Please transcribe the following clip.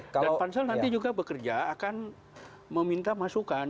dan pansel nanti juga bekerja akan meminta masukan